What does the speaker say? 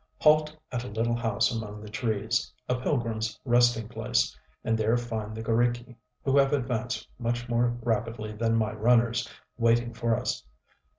Halt at a little house among the trees, a pilgrimsŌĆÖ resting place, and there find the g┼Źriki, who have advanced much more rapidly than my runners, waiting for us.